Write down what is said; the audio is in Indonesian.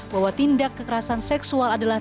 bahwa tindak kekerasan seksual adalah